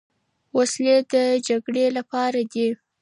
وسلې د جګړې لپاره دي.